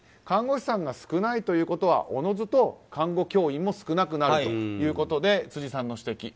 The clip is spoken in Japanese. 看護師さんが少ないということはおのずと看護教員も少なくなるということで辻さんの指摘。